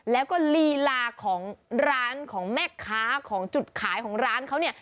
แล้วก็ลีลาของร้านของแม่ค้าของจุดขายของร้านเขาเนี่ย